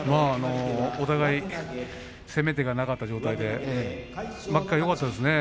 お互い攻め手がなかった状態で巻き替えがよかったですね。